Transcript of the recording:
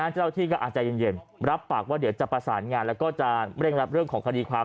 เจ้าที่ก็อาจจะเย็นรับปากว่าเดี๋ยวจะประสานงานแล้วก็จะเร่งรับเรื่องของคดีความ